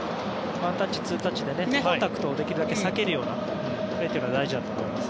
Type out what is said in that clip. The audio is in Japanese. ワンタッチ、ツータッチでコンタクトをできるだけ避けるようなプレーが大事だと思います。